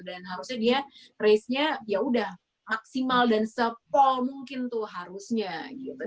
dan harusnya dia racenya ya udah maksimal dan sepol mungkin tuh harusnya gitu